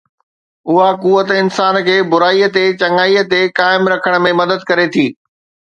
اها قوت انسان کي برائي تي چڱائيءَ تي قائم رکڻ ۾ مدد ڪري ٿي